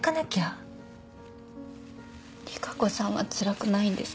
利佳子さんはつらくないんですか？